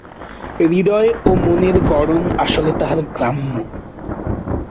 হৃদয় ও মনের গড়ন আসলে তাহার গ্রাম্য।